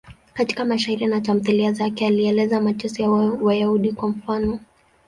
Katika mashairi na tamthiliya zake alieleza mateso ya Wayahudi, kwa mfano.